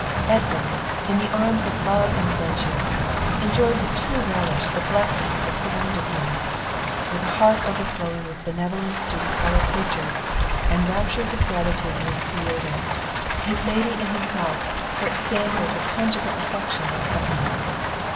Edmund, in the arms of love and friendship, enjoyed with true relish the blessings that surrounded him, with an heart overflowing with benevolence to his fellow creatures, and raptures of gratitude to his Creator. His lady and himself were examples of conjugal affection and happiness.